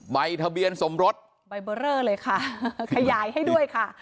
ใบทะเบียนสมรสใบเบอร์เรอเลยค่ะขยายให้ด้วยค่ะ